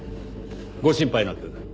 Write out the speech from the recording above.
ご心配なく。